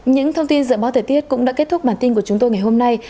những thông tin dự báo thời tiết cũng đã kết thúc bản tin của chúng tôi ngày hôm nay